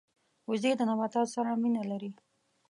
وزې د نباتاتو سره مینه لري